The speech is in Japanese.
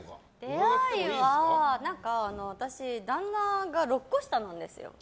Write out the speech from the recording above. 出会いは、旦那が６個下なんですよ。